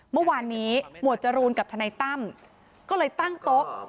เมื่อวานนี้หมวดจรูนกับทนายตั้มก็เลยตั้งโต๊ะ